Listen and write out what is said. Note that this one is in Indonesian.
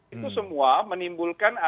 itu semua menimbulkan